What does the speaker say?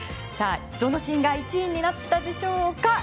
どのシーンが１位になったでしょうか。